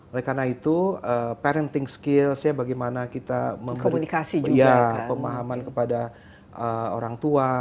oleh karena itu parenting skills bagaimana kita memahami kepada orang tua